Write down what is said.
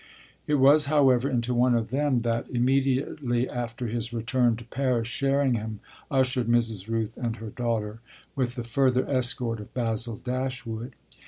It was, however, into one of them that, immediately after his return to Paris, Sherringham ushered Mrs. Rooth and her daughter, with the further escort of Basil Dashwood.